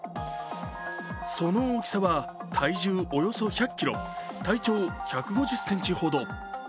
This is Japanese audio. その大きさは体重およそ１００ｋｇ、体長１５０ｃｍほど。